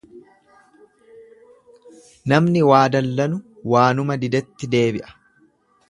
Namni waa dallanu waanuma didetti deebi'a.